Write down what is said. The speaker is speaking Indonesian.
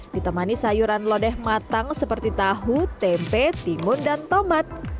ditemani sayuran lodeh matang seperti tahu tempe timun dan tomat